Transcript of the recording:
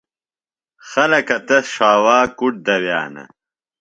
خلکہ تس ݜاوا کُڈ دوِیانہ۔